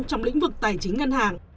trong lĩnh vực tài chính ngân hàng